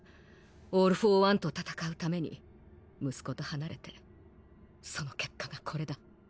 オール・フォー・ワンと戦う為に息子と離れてその結果がコレだ。